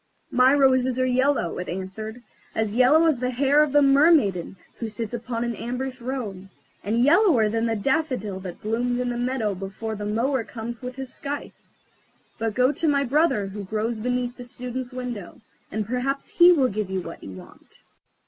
"My roses are yellow," it answered; "as yellow as the hair of the mermaiden who sits upon an amber throne, and yellower than the daffodil that blooms in the meadow before the mower comes with his scythe. But go to my brother who grows beneath the Student's window, and perhaps he will give you what you want."